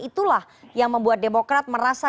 itulah yang membuat demokrat merasa